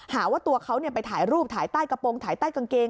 หาว่าตัวเขาไปถ่ายรูปถ่ายใต้กระโปรงถ่ายใต้กางเกง